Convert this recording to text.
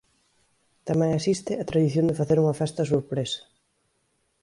Tamén existe a tradición de facer unha festa sorpresa.